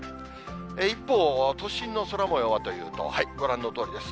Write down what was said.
一方、都心の空もようはというと、ご覧のとおりです。